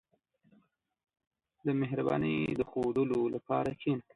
• د مهربانۍ د ښوودلو لپاره کښېنه.